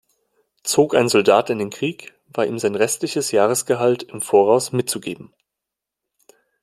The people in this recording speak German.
Zog ein Soldat in den Krieg, war ihm sein restliches Jahresgehalt im Voraus mitzugeben.